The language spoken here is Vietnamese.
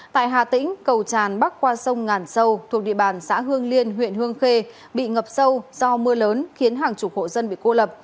tại hà tĩnh cầu tràn bắc qua sông ngàn sâu thuộc địa bàn xã hương liên huyện hương khê bị ngập sâu do mưa lớn khiến hàng chục hộ dân bị cô lập